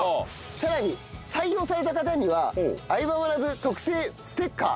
さらに採用された方には『相葉マナブ』特製ステッカー